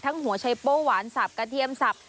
หัวชัยโป้หวานสับกระเทียมสับ